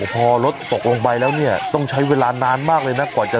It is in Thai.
พอรถตกลงไปแล้วเนี่ยต้องใช้เวลานานมากเลยนะกว่าจะ